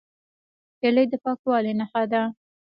هیلۍ د پاکوالي نښه ده